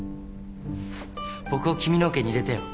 僕を君のオケに入れてよ。